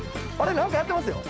何かやってますよ。